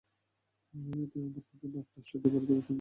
এতে আমার হাতে থাকা ডাস্টারটি পড়ে চোখের পাশে সামান্য ব্যথা লাগে।